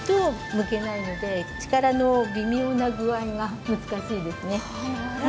むけないので、力の微妙な具合が難しいですね。